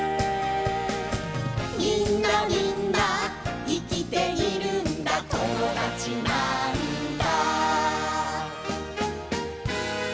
「みんなみんないきているんだともだちなんだ」